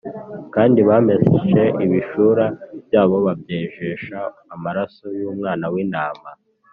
kandi bameshe ibishura byabo babyejesha amaraso y’Umwana w’Intama.